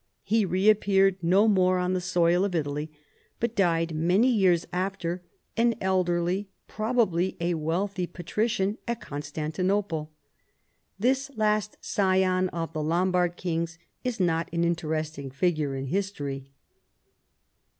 He reappeared no more on the soil of Italj'^, but died many years after, an elderly, probably a wealthy, patrician at Constantinople. This last scion of the Lombard kings is not an interesting figure in history.